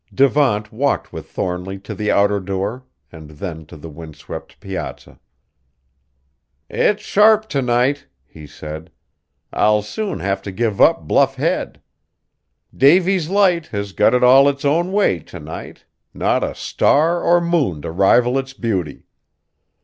Devant walked with Thornly to the outer door, and then to the windswept piazza. "It's sharp to night," he said; "I'll soon have to give up Bluff Head. Davy's Light has got it all its own way to night, not a star or moon to rival its beauty.